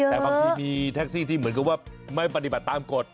แต่บางทีมีแท็กซี่ที่เหมือนกับว่าไม่ปฏิบัติตามกฎ